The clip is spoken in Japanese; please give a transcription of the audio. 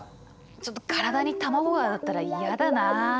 ちょっと体に卵が当たったら嫌だなあ。